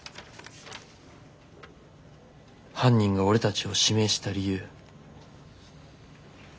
犯人が俺たちを指名した理由。